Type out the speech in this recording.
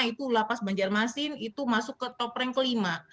itu lapas banjarmasin itu masuk ke top rank kelima